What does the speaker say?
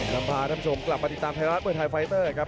นำพาท่านผู้ชมกลับมาติดตามไทยรัฐมวยไทยไฟเตอร์ครับ